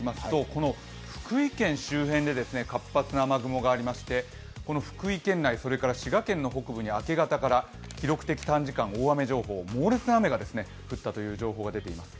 この福井県周辺で活発な雨雲がありまして、この福井県内、それから滋賀県の北部に明け方から記録的短時間大雨情報、猛烈な雨が降ったという情報が出ています。